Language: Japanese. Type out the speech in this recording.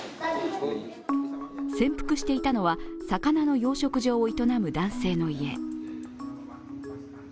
潜伏していたのは魚の養殖場を営む男性の家。